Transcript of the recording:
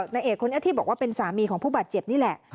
นายเอกคนนี้ที่บอกว่าเป็นสามีของผู้บาดเจ็บนี่แหละ